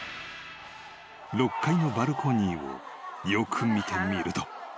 ［６階のバルコニーをよく見てみると］